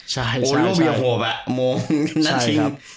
ใช่ใช่โอโลเบียโหวแบบโมงนั่นจริง